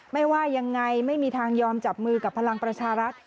ไม่ว่ายังไงไม่มีทางยอมจับมือกับพลังประชารัฐ